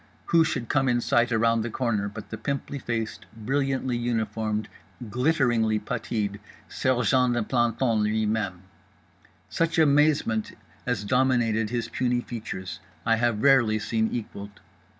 who should come in sight around the corner but the pimply faced brilliantly uniformed glitteringly putteed sergeant de plantons lui même. Such amazement as dominated his puny features I have rarely seen equalled.